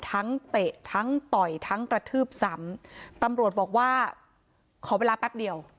เตะทั้งต่อยทั้งกระทืบซ้ำตำรวจบอกว่าขอเวลาแป๊บเดียว